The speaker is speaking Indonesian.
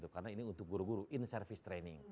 karena ini untuk guru guru in service training